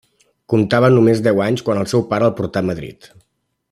Comptava només deu anys quan el seu pare el portà a Madrid.